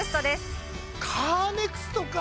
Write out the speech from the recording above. カーネクストか！